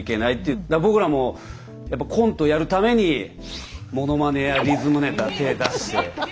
僕らもやっぱコントやるためにものまねやリズムネタ手出して。